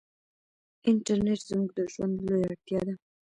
انټرنيټ زموږ د ژوند لویه اړتیا ده.